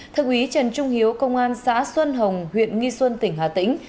thượng úy trần trung hiếu công an xã xuân hồng huyện nghi xuân tỉnh hà tĩnh